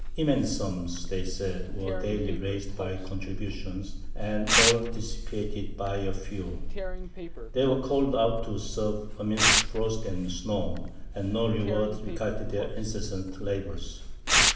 "Immense sums," they said, "were daily raised by contributions, and all dissipated by a few. They were called out to serve amidst frost and snow, and no reward requited their incessant labours.